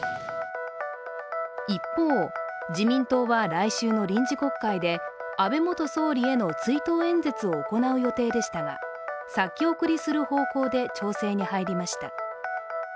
一方、自民党は来週の臨時国会で安倍元総理への追悼演説を行う予定でしたが先送りする方向で調整に入りました。